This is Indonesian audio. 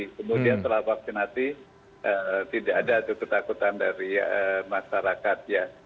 kemudian setelah vaksinasi tidak ada ketakutan dari masyarakat ya